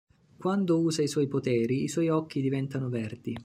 Quando usa i suoi poteri i suoi occhi diventano verdi.